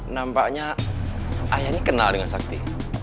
nampaknya ayah ini kenal dengan sakti